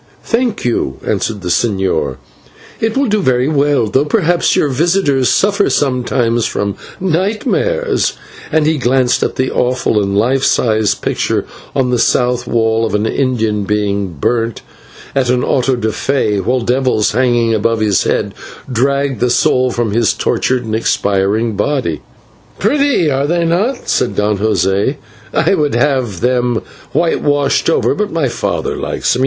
"Thank you," answered the señor, "it will do very well, though perhaps your visitors suffer sometimes from nightmare," and he glanced at the awful and life sized picture on the south wall of an Indian being burnt at an /auto da fé/, while devils hanging above his head dragged the soul from his tortured and expiring body. "Pretty, are they not?" said Don José; "I would have them whitewashed over, but my father likes them.